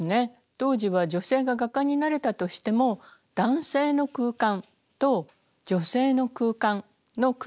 当時は女性が画家になれたとしても男性の空間と女性の空間の区別がありました。